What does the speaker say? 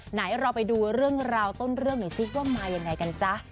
ไหนเราไปดูเรื่องราวต้นเรื่องหน่อยซิว่ามายังไงกันจ๊ะ